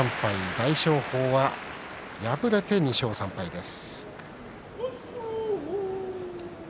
大翔鵬は敗れて２勝３敗です。